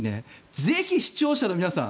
ぜひ、視聴者の皆さん